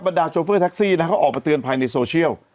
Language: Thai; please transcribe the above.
ดาโชเฟอร์แท็กซี่เขาออกมาเตือนภัยในโซเชียล